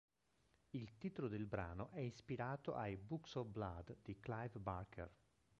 Il titolo del brano è ispirato ai "Books of Blood" di Clive Barker.